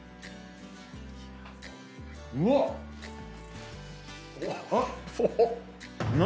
うわっ！